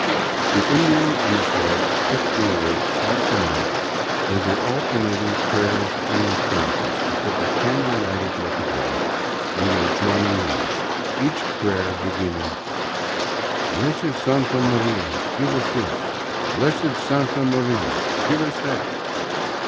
The Indian and his wife kept me awake half the night with their alternating prayers and responses before a candle lighted lithograph in the adjoining room, each prayer beginning, " Blessed Santa Maria, give us this ; Blessed Santa Maria, give us that."